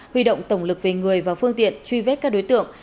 huy động tổng lực về người và phương tiện truy vết các đối tượng